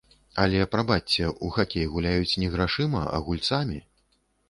Але, прабачце, у хакей гуляюць не грашыма, а гульцамі!